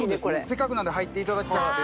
せっかくなんで入って頂きたくて。